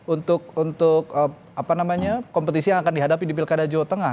untuk kompetisi yang akan dihadapi di pilkada jawa tengah